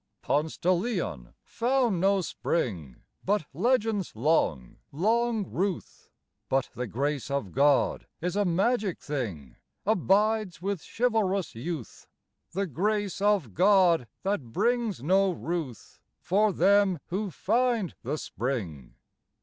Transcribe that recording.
Ponce de Leon found no spring, But legend's long, long ruth; But the grace of God is a magic thing Abides with chivalrous youth: The grace of God that brings no ruth For them who find the spring.